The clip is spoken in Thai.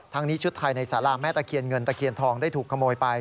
นี้ชุดไทยในสาราแม่ตะเคียนเงินตะเคียนทองได้ถูกขโมยไป